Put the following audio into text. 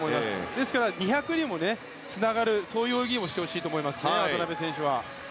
ですから、２００にもつながるそういう泳ぎをしてほしいと思いますね、渡辺選手は。